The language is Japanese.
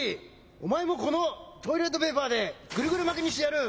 おまえもこのトイレットペーパーでグルグルまきにしてやる。